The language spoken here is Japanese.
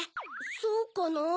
そうかなぁ。